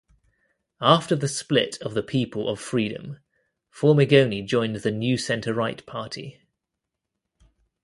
After the split of the People of Freedom, Formigoni joined the New Centre-Right party.